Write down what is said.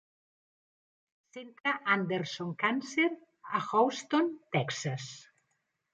Centre Anderson Cancer a Houston, Texas.